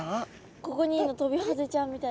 ここにいるのトビハゼちゃんみたい。